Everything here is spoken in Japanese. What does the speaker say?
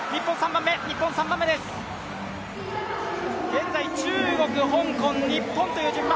現在中国、香港、日本という順番。